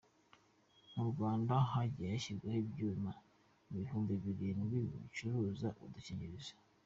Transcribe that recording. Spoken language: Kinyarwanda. Mu Rwanda hagiye gushyirwaho ibyuma Ibihumbi Birindwi bicuruza udukingirizo